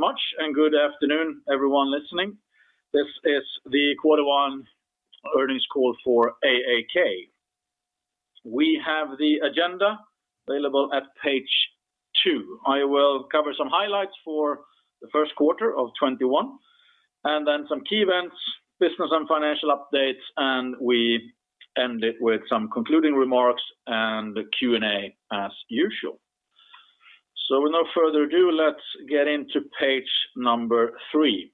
Very much, good afternoon everyone listening. This is the quarter one earnings call for AAK. We have the agenda available at page two. I will cover some highlights for the first quarter of 2021, then some key events, business and financial updates, we end it with some concluding remarks and the Q&A as usual. With no further ado, let's get into page number three.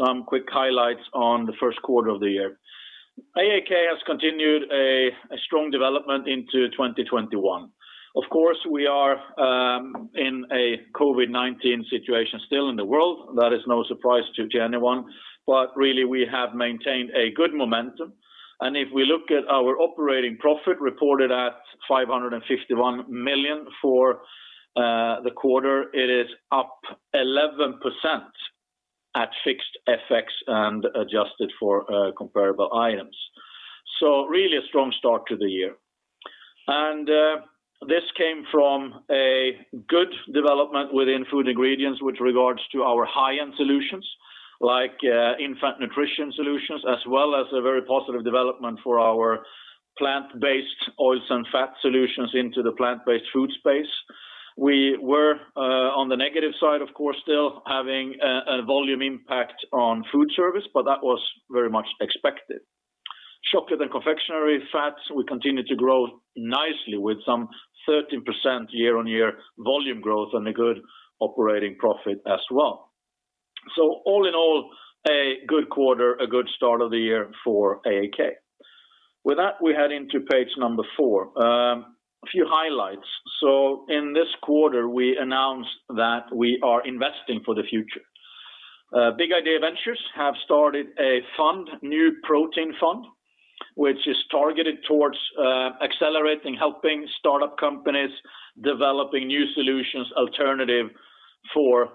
Some quick highlights on the first quarter of the year. AAK has continued a strong development into 2021. Of course, we are in a COVID-19 situation still in the world. That is no surprise to anyone, really we have maintained a good momentum. If we look at our operating profit reported at 551 million for the quarter, it is up 11% at fixed FX and adjusted for comparable items. Really a strong start to the year. This came from a good development within Food Ingredients with regards to our high-end solutions like INFAT nutrition solutions, as well as a very positive development for our plant-based oils and fat solutions into the plant-based food space. We were on the negative side, of course, still having a volume impact on food service, but that was very much expected. Chocolate & Confectionery Fats, we continued to grow nicely with some 13% year-on-year volume growth and a good operating profit as well. All in all, a good quarter, a good start of the year for AAK. With that, we head into page number four. A few highlights. In this quarter, we announced that we are investing for the future. Big Idea Ventures have started a fund, New Protein Fund, which is targeted towards accelerating, helping startup companies, developing new solutions alternative for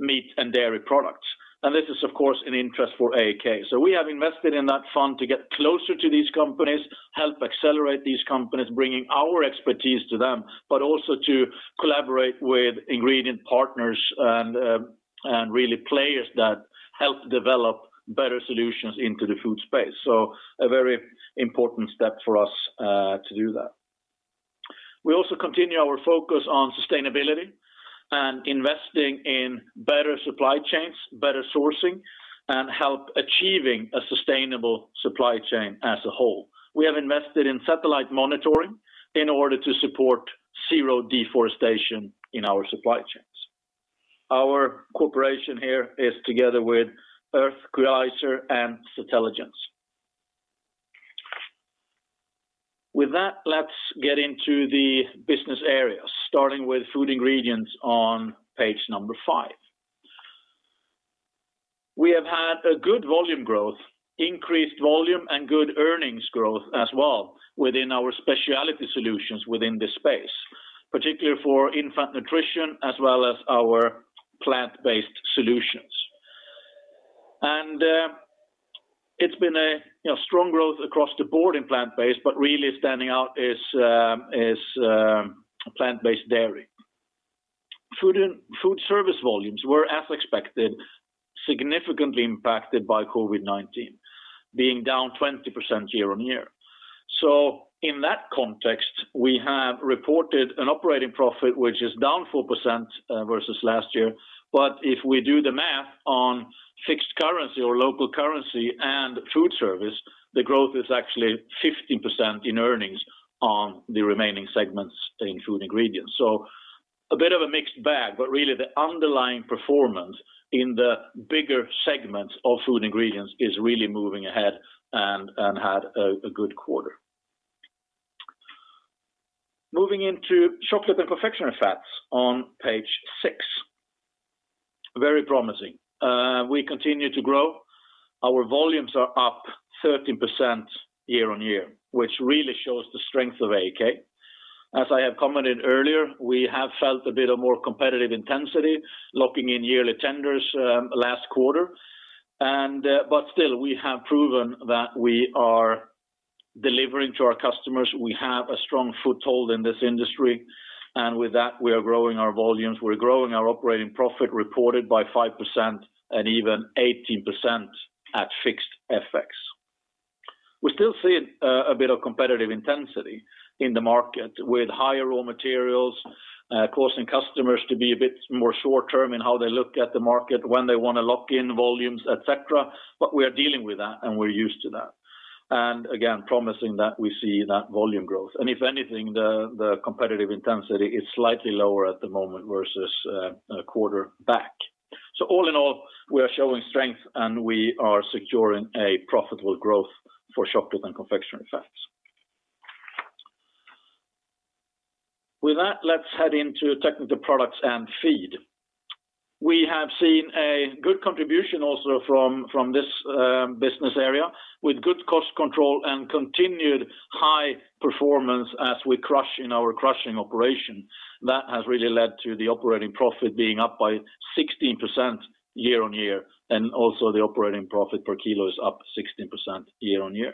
meat and dairy products. This is of course an interest for AAK. We have invested in that fund to get closer to these companies, help accelerate these companies, bringing our expertise to them, but also to collaborate with ingredient partners and really players that help develop better solutions into the food space. A very important step for us to do that. We also continue our focus on sustainability and investing in better supply chains, better sourcing, and help achieving a sustainable supply chain as a whole. We have invested in satellite monitoring in order to support zero deforestation in our supply chains. Our cooperation here is together with Earthqualizer and Satelligence. With that, let's get into the business areas, starting with Food Ingredients on page number five. We have had a good volume growth, increased volume, and good earnings growth as well within our specialty solutions within this space, particularly for INFAT nutrition as well as our plant-based solutions. It's been a strong growth across the board in plant-based, but really standing out is plant-based dairy. Food service volumes were, as expected, significantly impacted by COVID-19, being down 20% year-on-year. In that context, we have reported an operating profit which is down 4% versus last year. If we do the math on fixed currency or local currency and food service, the growth is actually 15% in earnings on the remaining segments in Food Ingredients. A bit of a mixed bag, but really the underlying performance in the bigger segments of Food Ingredients is really moving ahead and had a good quarter. Moving into Chocolate & Confectionery Fats on page six. Very promising. We continue to grow. Our volumes are up 13% year-on-year, which really shows the strength of AAK. As I have commented earlier, we have felt a bit of more competitive intensity locking in yearly tenders last quarter. Still, we have proven that we are delivering to our customers. We have a strong foothold in this industry, and with that, we are growing our volumes. We're growing our operating profit reported by 5% and even 18% at fixed FX. We still see a bit of competitive intensity in the market with higher raw materials causing customers to be a bit more short-term in how they look at the market, when they want to lock in volumes, et cetera. We are dealing with that, and we're used to that, and again, promising that we see that volume growth. If anything, the competitive intensity is slightly lower at the moment versus a quarter back. All in all, we are showing strength, and we are securing a profitable growth for Chocolate & Confectionery Fats. With that, let's head into Technical Products & Feed. We have seen a good contribution also from this business area with good cost control and continued high performance as we crush in our crushing operation. That has really led to the operating profit being up by 16% year-on-year, and also the operating profit per kilo is up 16% year-on-year.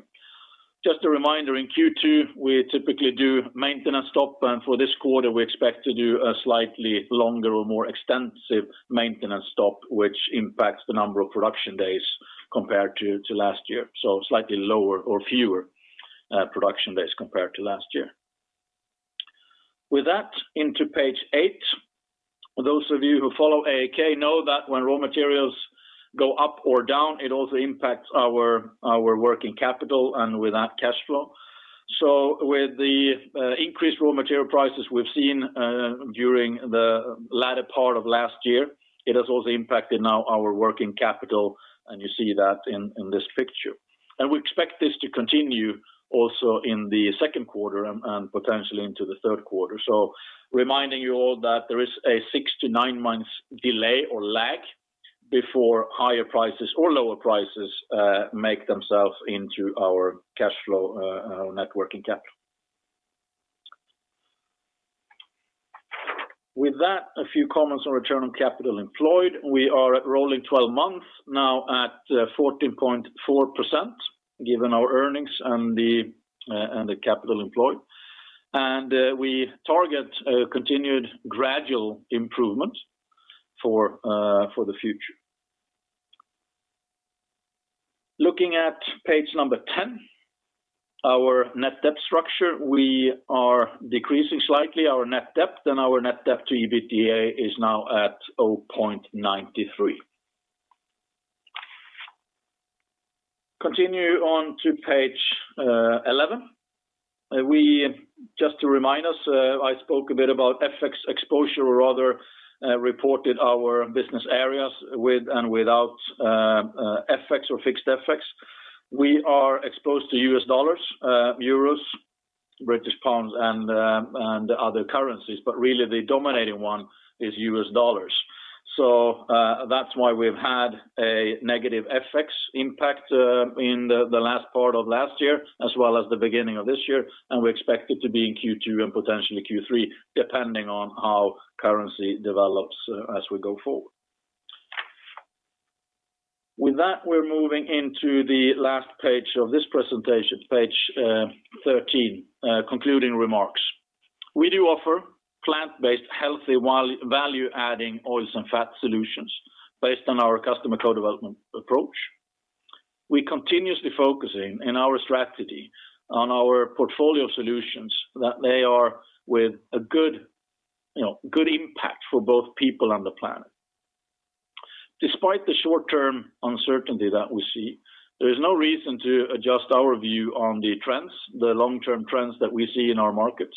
Just a reminder, in Q2, we typically do maintenance stop, and for this quarter, we expect to do a slightly longer or more extensive maintenance stop, which impacts the number of production days compared to last year. Slightly lower or fewer production days compared to last year. With that, into page eight. Those of you who follow AAK know that when raw materials go up or down, it also impacts our working capital and with that, cash flow. With the increased raw material prices we've seen during the latter part of last year, it has also impacted now our working capital, and you see that in this picture. We expect this to continue also in the second quarter and potentially into the third quarter. Reminding you all that there is a six to nine months delay or lag before higher prices or lower prices make themselves into our cash flow net working capital. With that, a few comments on return on capital employed. We are rolling 12 months now at 14.4%, given our earnings and the capital employed. We target a continued gradual improvement for the future. Looking at page number 10, our net debt structure, we are decreasing slightly our net debt, and our net debt to EBITDA is now at 0.93. Continue on to page 11. Just to remind us, I spoke a bit about FX exposure or rather reported our business areas with and without FX or fixed FX. We are exposed to US dollars, euros, British pounds, and other currencies, but really the dominating one is US dollars. That's why we've had a negative FX impact in the last part of last year as well as the beginning of this year, and we expect it to be in Q2 and potentially Q3, depending on how currency develops as we go forward. With that, we're moving into the last page of this presentation, page 13, concluding remarks. We do offer plant-based, healthy, value-adding oils and fat solutions based on our customer co-development approach. We continuously focusing in our strategy on our portfolio solutions that they are with a good impact for both people and the planet. Despite the short-term uncertainty that we see, there is no reason to adjust our view on the trends, the long-term trends that we see in our markets.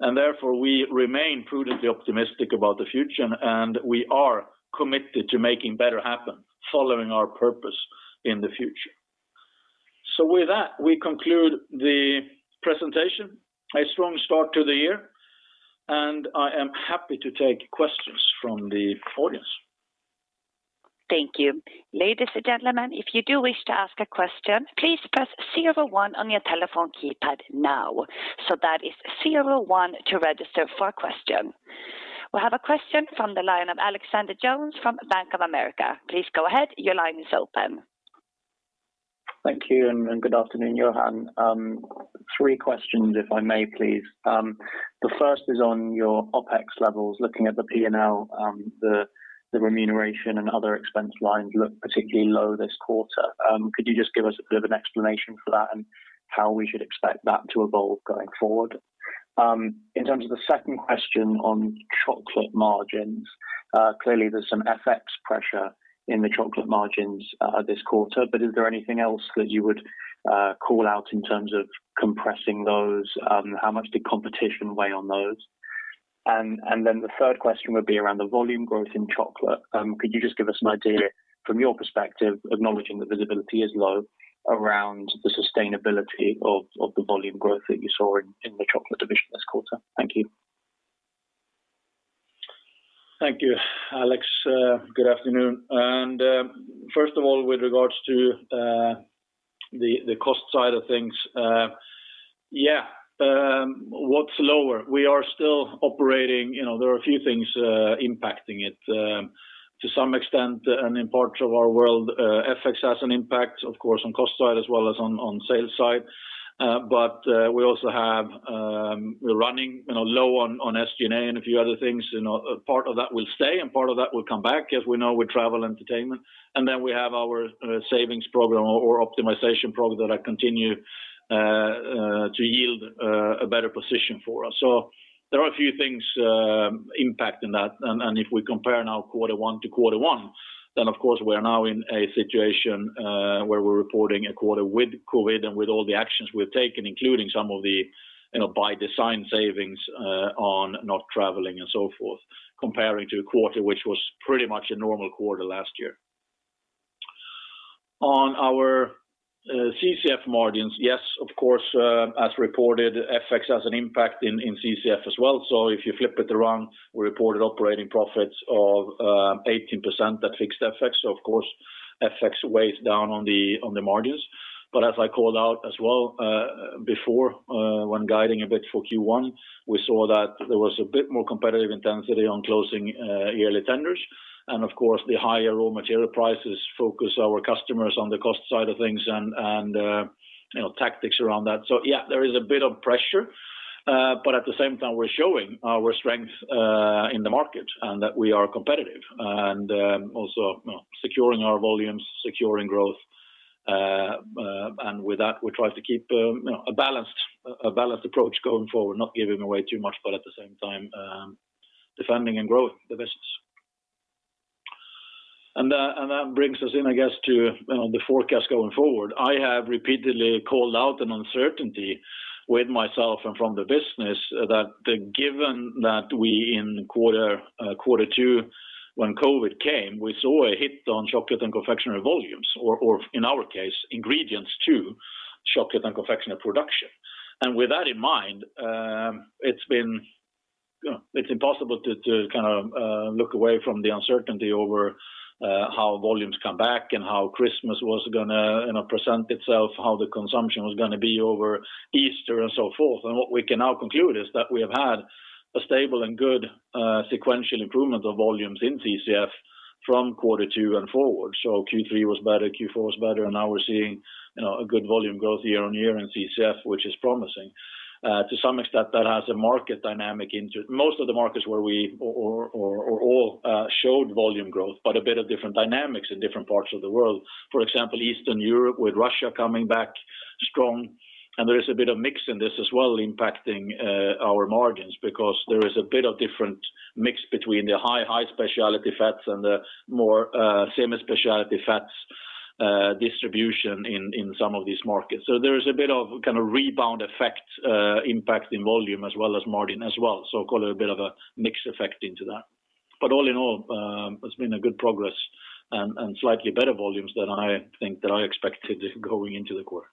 Therefore, we remain prudently optimistic about the future, and we are committed to making better happen, following our purpose in the future. With that, we conclude the presentation. A strong start to the year. I am happy to take questions from the audience. Thank you. Ladies and gentlemen, if you do wish to ask a question, please press zero one on your telephone keypad now. That is zero one to register for a question. We have a question from the line of Alexander Jones from Bank of America. Please go ahead. Your line is open. Thank you, and good afternoon, Johan. Three questions, if I may, please. The first is on your OPEX levels. Looking at the P&L, the remuneration and other expense lines look particularly low this quarter. Could you just give us a bit of an explanation for that and how we should expect that to evolve going forward? In terms of the second question on chocolate margins, clearly there's some FX pressure in the chocolate margins this quarter, but is there anything else that you would call out in terms of compressing those? How much did competition weigh on those? The third question would be around the volume growth in chocolate. Could you just give us an idea from your perspective, acknowledging that visibility is low, around the sustainability of the volume growth that you saw in the chocolate division this quarter? Thank you. Thank you, Alex. Good afternoon. First of all, with regards to the cost side of things. What's lower? We are still operating. There are a few things impacting it. To some extent, and in parts of our world, FX has an impact, of course, on cost side as well as on sales side. We also have. We're running low on SG&A and a few other things. Part of that will stay, and part of that will come back as we know with travel, entertainment. Then we have our savings program or optimization program that continue to yield a better position for us. There are a few things impacting that, and if we compare now quarter one to quarter one, then of course, we're now in a situation where we're reporting a quarter with COVID and with all the actions we've taken, including some of the by design savings on not traveling and so forth, comparing to a quarter which was pretty much a normal quarter last year. On our CCF margins, yes, of course, as reported, FX has an impact in CCF as well. If you flip it around, we reported operating profits of 18%, at fixed FX. Of course, FX weighs down on the margins. As I called out as well before, when guiding a bit for Q1, we saw that there was a bit more competitive intensity on closing yearly tenders, and of course, the higher raw material prices focus our customers on the cost side of things and tactics around that. Yeah, there is a bit of pressure, but at the same time, we're showing our strength in the market and that we are competitive and also securing our volumes, securing growth. With that, we try to keep a balanced approach going forward, not giving away too much, but at the same time, defending and growing the business. That brings us in, I guess, to the forecast going forward. I have repeatedly called out an uncertainty with myself and from the business that given that we, in quarter two, when COVID came, we saw a hit on chocolate and confectionery volumes, or in our case, ingredients to chocolate and confectionery production. With that in mind, it's impossible to look away from the uncertainty over how volumes come back and how Christmas was going to present itself, how the consumption was going to be over Easter and so forth. What we can now conclude is that we have had a stable and good sequential improvement of volumes in CCF from quarter two and forward. Q3 was better, Q4 was better, and now we're seeing a good volume growth year-on-year in CCF, which is promising. To some extent, that has a market dynamic into most of the markets where we, or all showed volume growth, but a bit of different dynamics in different parts of the world. For example, Eastern Europe with Russia coming back strong. There is a bit of mix in this as well impacting our margins because there is a bit of different mix between the high specialty fats and the more semi specialty fats distribution in some of these markets. There is a bit of rebound effect impacting volume as well as margin as well. Call it a bit of a mix effect into that. All in all, it's been a good progress and slightly better volumes than I expected going into the quarter.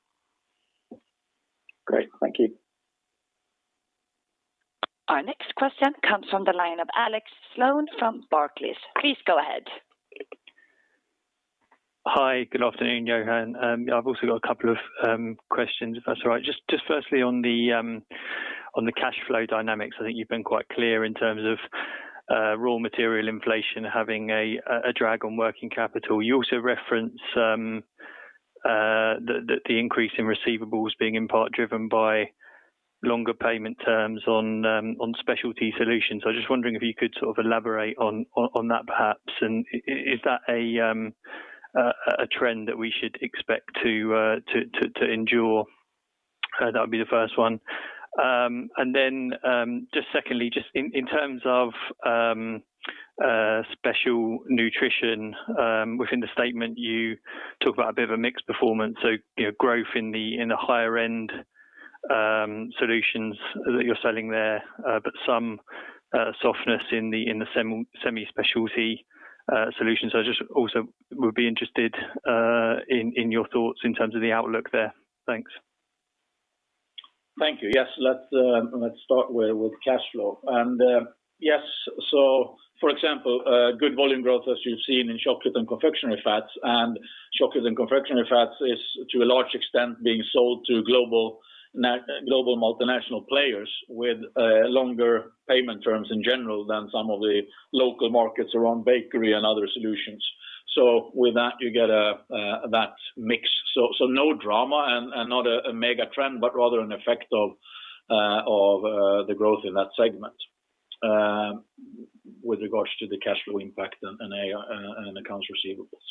Great. Thank you. Our next question comes from the line of Alex Sloane from Barclays. Please go ahead. Hi, good afternoon, Johan. I've also got a couple of questions, if that's all right. Firstly on the cash flow dynamics, I think you've been quite clear in terms of raw material inflation having a drag on working capital. You also reference that the increase in receivables being in part driven by longer payment terms on specialty solutions. I'm just wondering if you could elaborate on that perhaps, and is that a trend that we should expect to endure? That would be the first one. Then, just secondly, just in terms of special nutrition, within the statement, you talk about a bit of a mixed performance. Growth in the higher-end solutions that you're selling there, but some softness in the semi specialty solutions. I just also would be interested in your thoughts in terms of the outlook there. Thanks. Thank you. Yes, let's start with cash flow. Yes, so for example, good volume growth as you've seen in Chocolate & Confectionery Fats, and Chocolate & Confectionery Fats is, to a large extent, being sold to global multinational players with longer payment terms in general than some of the local markets around bakery and other solutions. With that, you get that mix. No drama and not a mega trend, but rather an effect of the growth in that segment with regards to the cash flow impact and accounts receivables.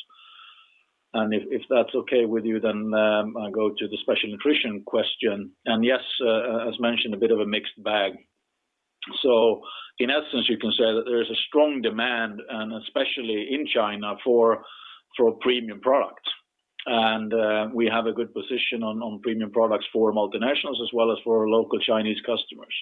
If that's okay with you, then I'll go to the special nutrition question. Yes, as mentioned, a bit of a mixed bag. In essence, you can say that there is a strong demand, and especially in China, for premium products. We have a good position on premium products for multinationals as well as for local Chinese customers.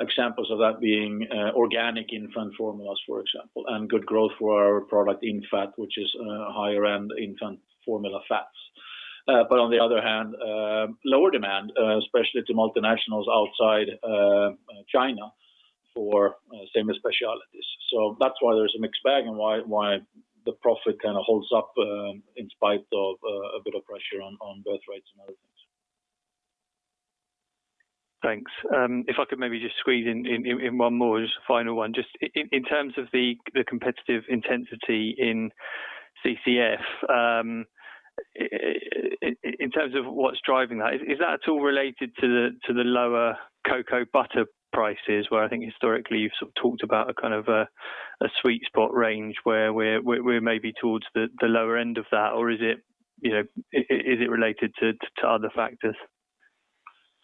Examples of that being organic INFAT formulas, for example, and good growth for our product INFAT, which is a higher-end INFAT formula fats. On the other hand, lower demand, especially to multinationals outside China for semi specialties. That's why there's a mixed bag and why the profit holds up in spite of a bit of pressure on birth rates and other things. Thanks. If I could maybe just squeeze in one more, just a final one. Just in terms of the competitive intensity in CCF, in terms of what's driving that, is that at all related to the lower cocoa butter prices, where I think historically you've talked about a sweet spot range where we're maybe towards the lower end of that, or is it related to other factors?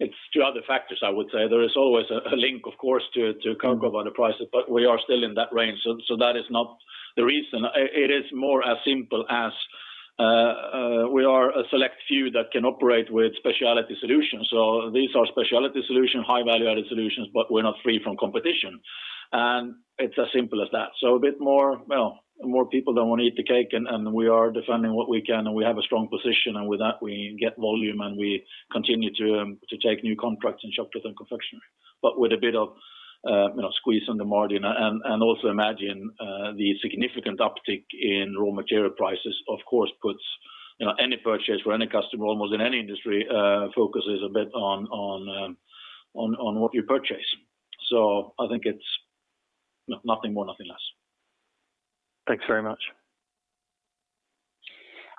It's two other factors, I would say. There is always a link, of course, to cocoa butter prices, but we are still in that range. That is not the reason. It is more as simple as we are a select few that can operate with specialty solutions. These are specialty solution, high value-added solutions, but we're not free from competition. It's as simple as that. A bit more people don't want to eat the cake, and we are defending what we can, and we have a strong position. With that, we get volume, and we continue to take new contracts in Chocolate and Confectionery, but with a bit of squeeze on the margin, and also imagine the significant uptick in raw material prices, of course, puts any purchase for any customer, almost in any industry, focuses a bit on what you purchase. I think it's nothing more, nothing less. Thanks very much.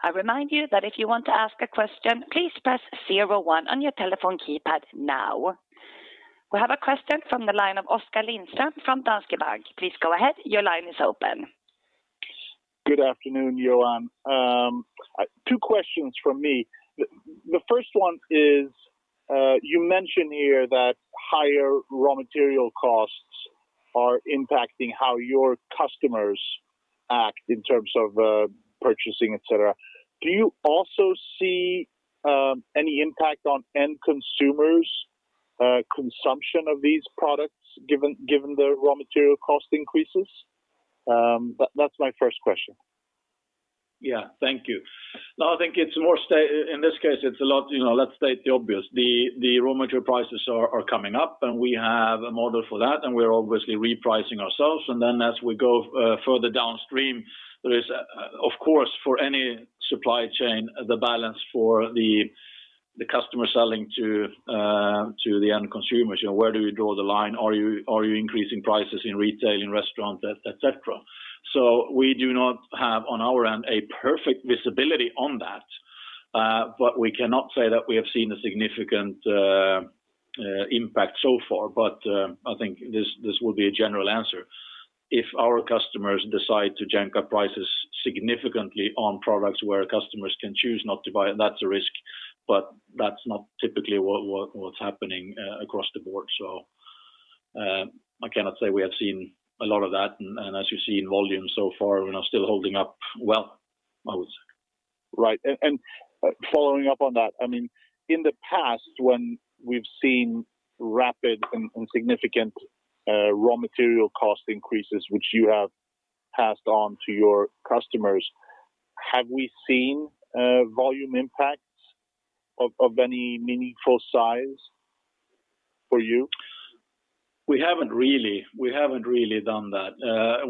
I remind you that if you want to ask a question, please press zero one on your telephone keypad now. We have a question from the line of Oskar Lindström from Danske Bank. Please go ahead. Your line is open. Good afternoon, Johan. Two questions from me. The first one is, you mentioned here that higher raw material costs are impacting how your customers act in terms of purchasing, et cetera. Do you also see any impact on end consumers' consumption of these products given the raw material cost increases? That's my first question. Yeah. Thank you. I think in this case, let's state the obvious. The raw material prices are coming up, we have a model for that, and we're obviously repricing ourselves. As we go further downstream, there is of course, for any supply chain, the balance for the customer selling to the end consumers. Where do you draw the line? Are you increasing prices in retail, in restaurant, et cetera? We do not have, on our end, a perfect visibility on that. We cannot say that we have seen a significant impact so far. I think this will be a general answer. If our customers decide to jack up prices significantly on products where customers can choose not to buy it, that's a risk. That's not typically what's happening across the board. I cannot say we have seen a lot of that. As you see in volume so far, we're now still holding up well, I would say. Right. Following up on that, in the past when we've seen rapid and significant raw material cost increases, which you have passed on to your customers, have we seen volume impacts of any meaningful size for you? We haven't really done that.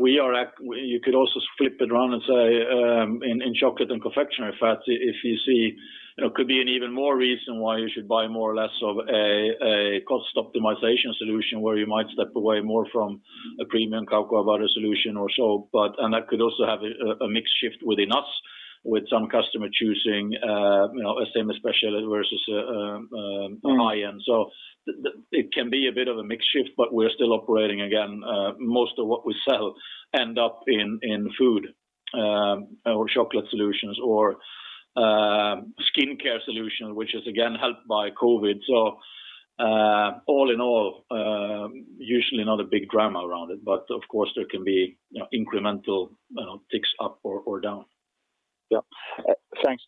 You could also flip it around and say, in Chocolate & Confectionery Fats, if you see, could be an even more reason why you should buy more or less of a cost optimization solution where you might step away more from a premium cocoa butter solution or so. That could also have a mix shift within us, with some customer choosing a semi specialist versus a high-end. It can be a bit of a mix shift, but we're still operating again, most of what we sell end up in food, or chocolate solutions or skincare solution, which is again helped by COVID. All in all, usually not a big drama around it, but of course there can be incremental ticks up or down. Yeah. Thanks.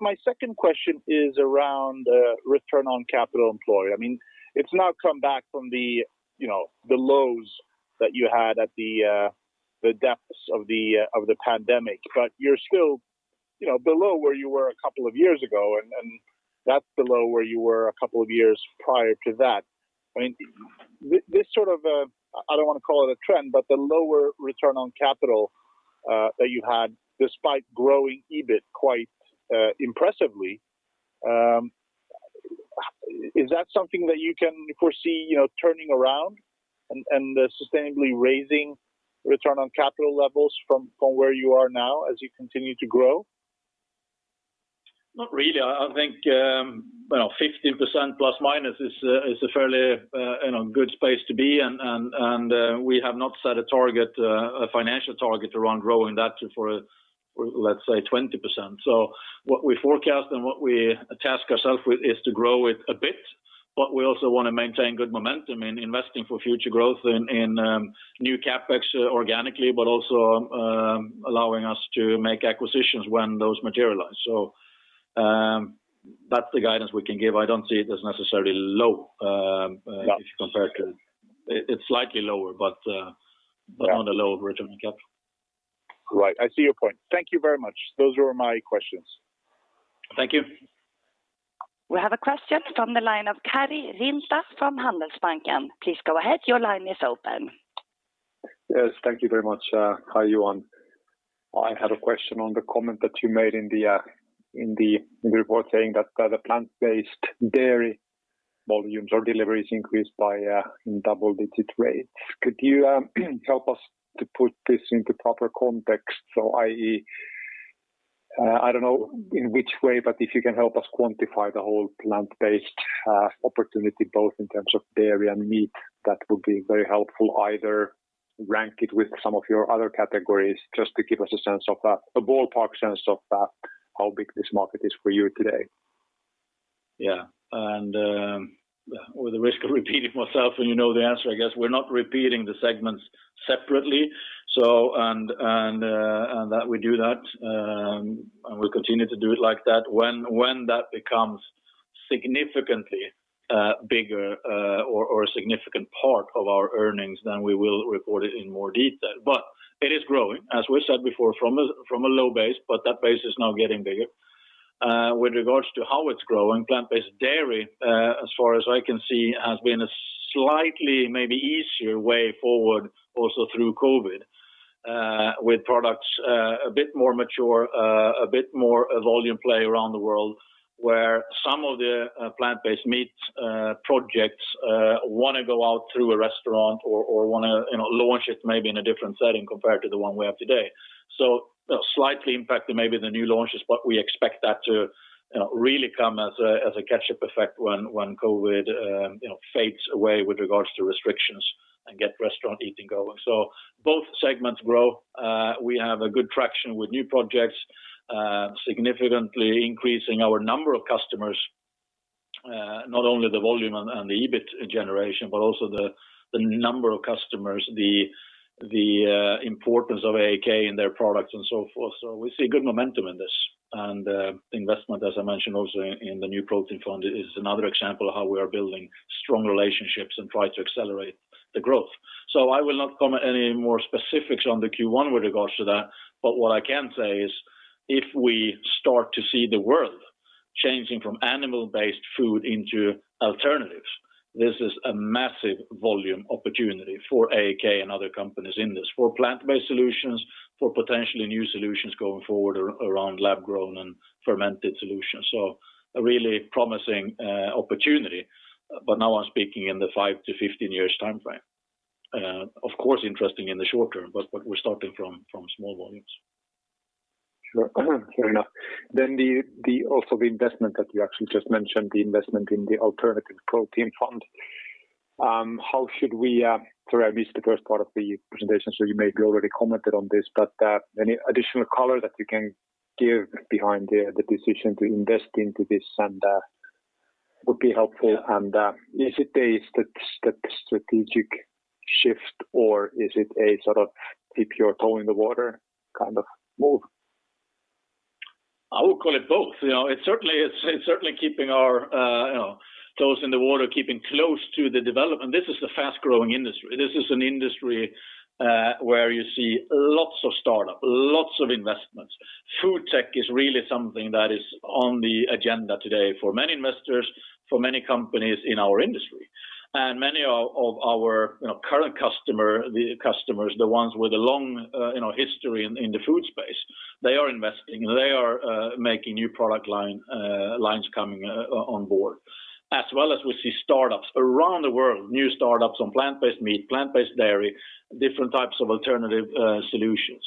My second question is around return on capital employed. It is now come back from the lows that you had at the depths of the pandemic, but you are still below where you were a couple of years ago, and that is below where you were a couple of years prior to that. This sort of, I do not want to call it a trend, but the lower return on capital that you had despite growing EBIT quite impressively, is that something that you can foresee turning around and sustainably raising return on capital levels from where you are now as you continue to grow? Not really. I think 15% plus minus is a fairly good space to be. We have not set a financial target around growing that for, let's say, 20%. What we forecast and what we task ourself with is to grow it a bit, but we also want to maintain good momentum in investing for future growth in new CapEx organically, but also allowing us to make acquisitions when those materialize. That's the guidance we can give. I don't see it as necessarily. Got it. if compared to It's slightly lower. Yeah not a low return on capital. Right. I see your point. Thank you very much. Those were my questions. Thank you. We have a question from the line of Karri Rinta from Handelsbanken. Please go ahead. Your line is open. Yes, thank you very much. Hi, Johan. I had a question on the comment that you made in the report saying that the plant-based dairy volumes or deliveries increased by a double-digit rate. Could you help us to put this into proper context? I.e., I don't know in which way, but if you can help us quantify the whole plant-based opportunity, both in terms of dairy and meat, that would be very helpful. Either rank it with some of your other categories just to give us a ballpark sense of that, how big this market is for you today. Yeah. With the risk of repeating myself and you know the answer, I guess, we're not repeating the segments separately, and that we do that, and we'll continue to do it like that. When that becomes significantly bigger, or a significant part of our earnings, we will report it in more detail. It is growing, as we said before, from a low base, but that base is now getting bigger. With regards to how it's growing, plant-based dairy, as far as I can see, has been a slightly maybe easier way forward also through COVID, with products a bit more mature, a bit more volume play around the world, where some of the plant-based meat projects want to go out through a restaurant or want to launch it maybe in a different setting compared to the one we have today. Slightly impacted maybe the new launches, but we expect that to really come as a catch-up effect when COVID fades away with regards to restrictions and get restaurant eating going. Both segments grow. We have a good traction with new projects, significantly increasing our number of customers, not only the volume and the EBIT generation, but also the number of customers, the importance of AAK in their products and so forth. We see good momentum in this, and investment, as I mentioned also in the New Protein Fund, is another example of how we are building strong relationships and try to accelerate the growth. I will not comment any more specifics on the Q1 with regards to that, but what I can say is if we start to see the world changing from animal-based food into alternatives, this is a massive volume opportunity for AAK and other companies in this, for plant-based solutions, for potentially new solutions going forward around lab-grown and fermented solutions. A really promising opportunity, but now I'm speaking in the 5-15 years timeframe. Of course, interesting in the short term, but we're starting from small volumes. Sure enough. Also the investment that you actually just mentioned, the investment in the New Protein Fund. Sorry, I missed the first part of the presentation, so you maybe already commented on this, but any additional color that you can give behind the decision to invest into this would be helpful. Is it a strategic shift or is it a sort of dip your toe in the water kind of move? I would call it both. It's certainly keeping our toes in the water, keeping close to the development. This is a fast-growing industry. This is an industry where you see lots of startup, lots of investments. Food tech is really something that is on the agenda today for many investors, for many companies in our industry. Many of our current customers, the ones with a long history in the food space, they are investing. They are making new product lines coming on board. As well as we see startups around the world, new startups on plant-based meat, plant-based dairy, different types of alternative solutions.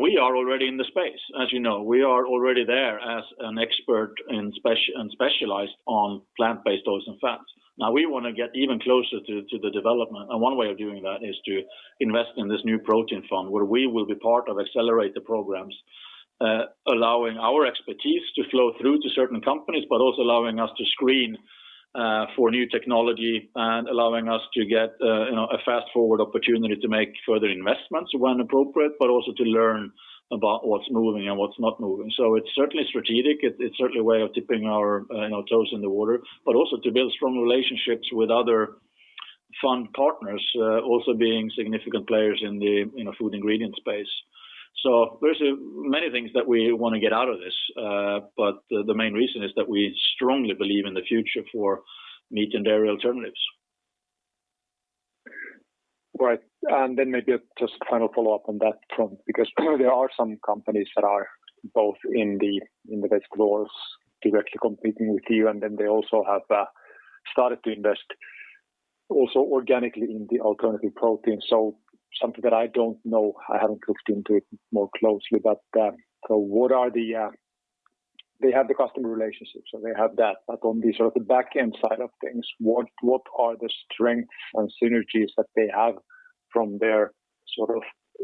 We are already in the space, as you know. We are already there as an expert and specialized on plant-based oils and fats. Now we want to get even closer to the development, and one way of doing that is to invest in this New Protein Fund, where we will be part of accelerator programs, allowing our expertise to flow through to certain companies, but also allowing us to screen for new technology and allowing us to get a fast-forward opportunity to make further investments when appropriate, but also to learn about what's moving and what's not moving. It's certainly strategic. It's certainly a way of dipping our toes in the water, but also to build strong relationships with other fund partners, also being significant players in the food ingredient space. There's many things that we want to get out of this, but the main reason is that we strongly believe in the future for meat and dairy alternatives. Right. Maybe just a final follow-up on that front, because clearly there are some companies that are both in the vegetable oils directly competing with you, and then they also have started to invest also organically in the alternative protein. Something that I don't know, I haven't looked into it more closely. They have the customer relationships, so they have that, but on the backend side of things, what are the strengths and synergies that they have from their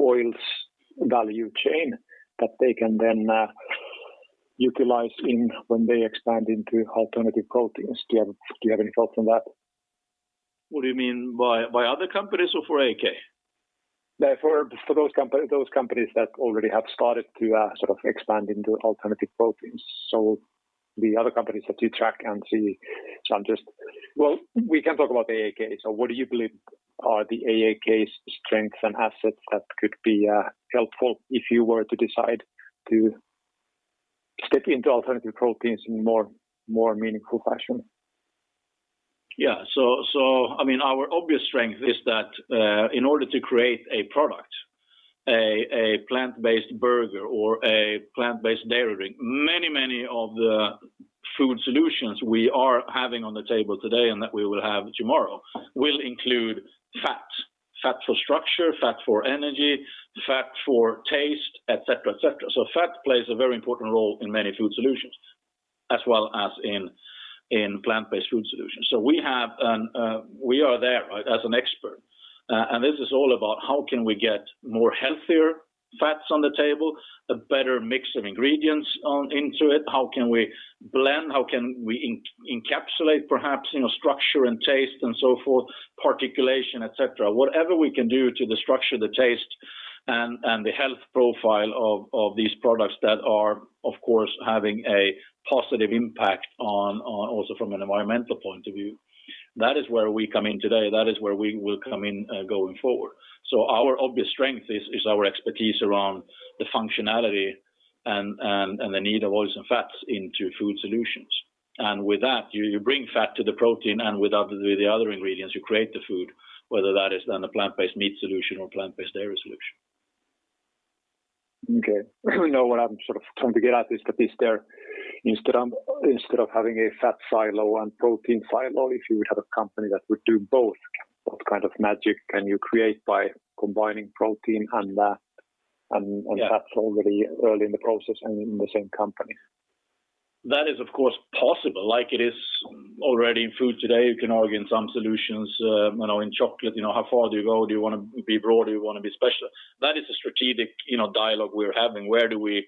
oils value chain that they can then utilize when they expand into alternative proteins? Do you have any thoughts on that? What do you mean, by other companies or for AAK? For those companies that already have started to expand into alternative proteins. The other companies that you track and see. We can talk about AAK. What do you believe are the AAK's strengths and assets that could be helpful if you were to decide to step into alternative proteins in more meaningful fashion? Yeah. Our obvious strength is that in order to create a product, a plant-based burger or a plant-based dairy drink, many of the food solutions we are having on the table today and that we will have tomorrow will include fat. Fat for structure, fat for energy, fat for taste, et cetera. Fat plays a very important role in many food solutions, as well as in plant-based food solutions. We are there as an expert, and this is all about how can we get more healthier fats on the table, a better mix of ingredients into it, how can we blend, how can we encapsulate perhaps structure and taste and so forth, particulation, et cetera. Whatever we can do to the structure, the taste, and the health profile of these products that are, of course, having a positive impact also from an environmental point of view. That is where we come in today, that is where we will come in going forward. Our obvious strength is our expertise around the functionality and the need of oils and fats into food solutions. With that, you bring fat to the protein, and with the other ingredients, you create the food, whether that is then a plant-based meat solution or plant-based dairy solution. Okay. What I'm trying to get at is that instead of having a fat silo and protein silo, if you would have a company that would do both, what kind of magic can you create by combining protein and fats already early in the process and in the same company? That is, of course, possible. Like it is already in food today. You can argue in some solutions, in chocolate, how far do you go? Do you want to be broad, or you want to be special? That is a strategic dialogue we're having. Where do we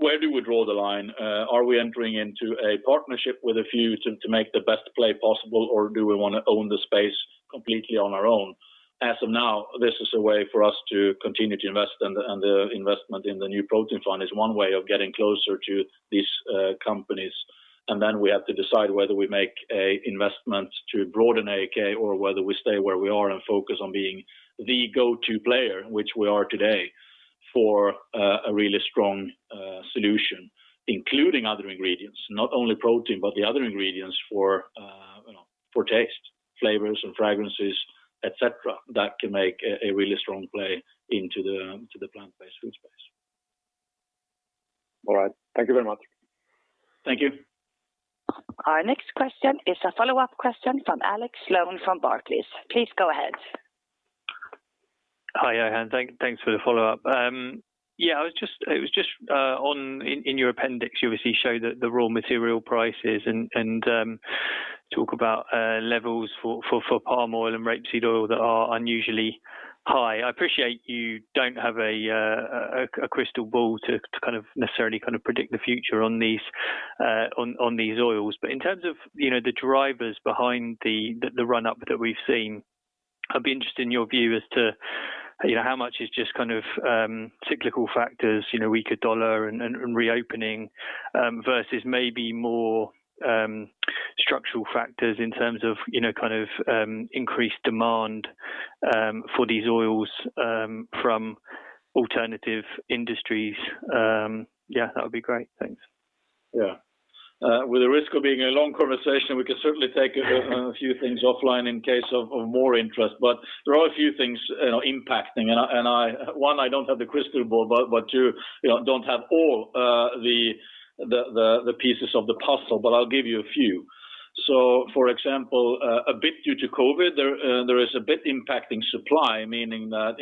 draw the line? Are we entering into a partnership with a few to make the best play possible, or do we want to own the space completely on our own? As of now, this is a way for us to continue to invest, and the investment in the New Protein Fund is one way of getting closer to these companies. We have to decide whether we make an investment to broaden AAK or whether we stay where we are and focus on being the go-to player, which we are today, for a really strong solution, including other ingredients. Not only protein, but the other ingredients for taste, flavors and fragrances, et cetera, that can make a really strong play into the plant-based food space. All right. Thank you very much. Thank you. Our next question is a follow-up question from Alex Sloane from Barclays. Please go ahead. Hi, Johan. Thanks for the follow-up. It was just in your appendix, you obviously show the raw material prices and talk about levels for palm oil and rapeseed oil that are unusually high. I appreciate you don't have a crystal ball to necessarily predict the future on these oils. In terms of the drivers behind the run-up that we've seen, I'd be interested in your view as to how much is just cyclical factors, weaker dollar and reopening, versus maybe more structural factors in terms of increased demand for these oils from alternative industries. That would be great. Thanks. Yeah. With the risk of being a long conversation, we can certainly take a few things offline in case of more interest. There are a few things impacting, and, one, I don't have the crystal ball. You don't have all the pieces of the puzzle, but I'll give you a few. For example, a bit due to COVID, there is a bit impacting supply, meaning that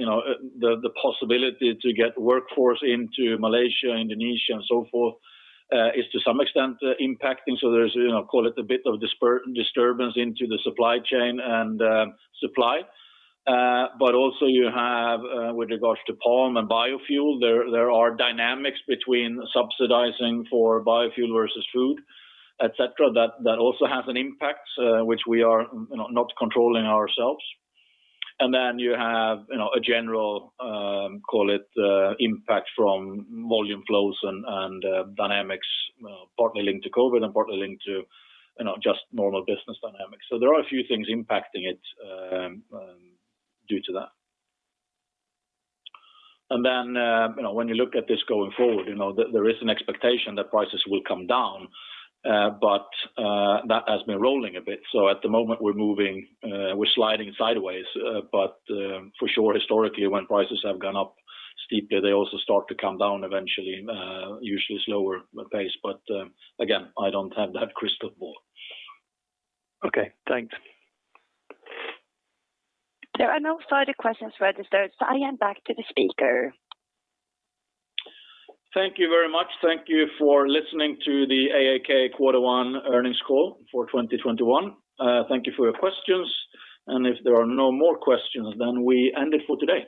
the possibility to get workforce into Malaysia, Indonesia, and so forth, is to some extent impacting. There's, call it a bit of disturbance into the supply chain and supply. Also you have, with regards to palm and biofuel, there are dynamics between subsidizing for biofuel versus food, et cetera, that also has an impact, which we are not controlling ourselves. You have a general, call it impact from volume flows and dynamics, partly linked to COVID and partly linked to just normal business dynamics. There are a few things impacting it due to that. When you look at this going forward, there is an expectation that prices will come down, but that has been rolling a bit. At the moment, we're sliding sideways. For sure, historically, when prices have gone up steeply, they also start to come down eventually, usually slower pace. Again, I don't have that crystal ball. Okay, thanks. There are no further questions registered. I hand back to the speaker. Thank you very much. Thank you for listening to the AAK quarter one earnings call for 2021. Thank you for your questions. If there are no more questions, then we end it for today.